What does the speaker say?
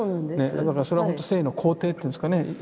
だからそれは生の肯定っていうんですかね。